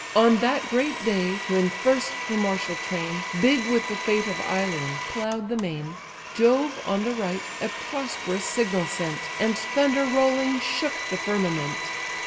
On that great day, when first the martial train, Big with the fate of Ilion, plough'd the main, Jove, on the right, a prosperous signal sent, And thunder rolling shook the firmament.